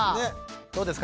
どうですか？